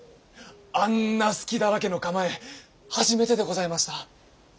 あんな隙だらけの構え初めてでございました！